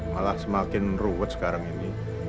malah semakin ruwet sekarang ini